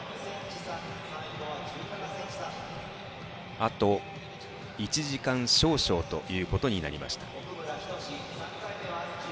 あと１時間少々ということになりました。